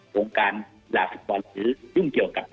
วงการแลหรือยุ่งเกี่ยวกับ